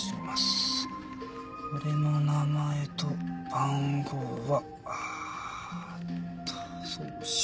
「俺の名前と番号は」と送信。